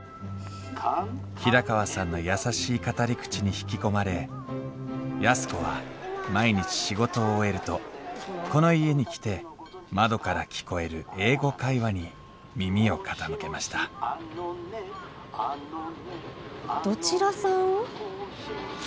平川さんの優しい語り口に引き込まれ安子は毎日仕事を終えるとこの家に来て窓から聞こえる「英語会話」に耳を傾けましたどちらさん？